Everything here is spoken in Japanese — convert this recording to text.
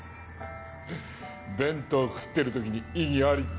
弁当食ってる時に「異議あり」って。